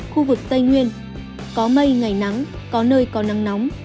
khu vực tây nguyên có mây ngày nắng có nơi có nắng nóng